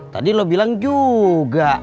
tadi lu bilang juga